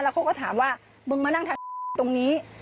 เขาก็ถามว่ามึงมานั่งทางตรงนี้